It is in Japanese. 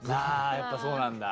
やっぱそうなんだ。